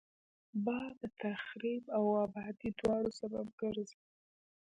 باد د تخریب او آبادي دواړو سبب ګرځي